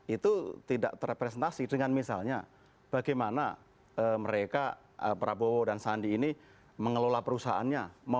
itu tidak terrepresentasi dengan misalnya bagaimana mereka prabowo dan sandi ini mengelola perusahaannya